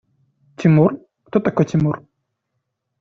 Тимур? Кто такой Тимур?